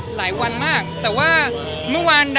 ไปกำลังเต็มที่ใช่ใช่